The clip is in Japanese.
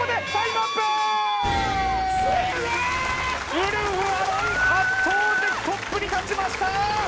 ウルフアロン圧倒的トップに立ちました！